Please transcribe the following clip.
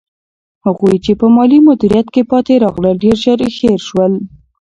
هغوی چې په مالي مدیریت کې پاتې راغلل، ډېر ژر هېر شول.